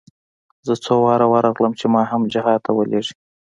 زه څو وارې ورغلم چې ما هم جهاد ته ولېږي.